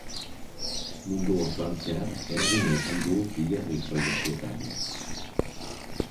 Mundu osoan zehar eragina izan du hilerri proiektuetan.